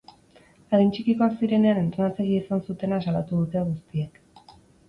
Adin txikikoak zirenean entrenatzaile izan zutena salatu dute guztiek.